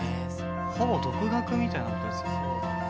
ほぼ独学みたいな事ですよね。